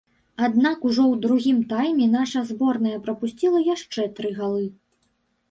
Аднак ужо ў другім тайме наша зборная прапусціла яшчэ тры галы.